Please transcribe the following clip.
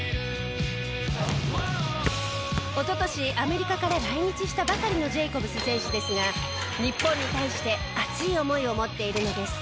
おととしアメリカから来日したばかりのジェイコブス選手ですが日本に対して熱い思いを持っているのです。